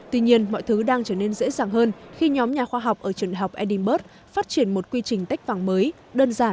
tuy nhiên mọi thứ đang trở nên dễ dàng hơn khi nhóm nhà khoa học ở trường học edinburgh phát triển một quy trình tách vàng mới